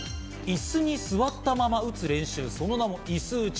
椅子に座ったまま打つ練習、その名も椅子打ち。